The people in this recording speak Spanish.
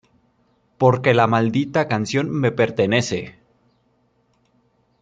Porque la maldita canción me pertenece.